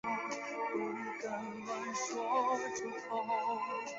同年改广西学政。